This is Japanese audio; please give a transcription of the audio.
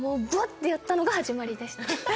てやったのが始まりでした。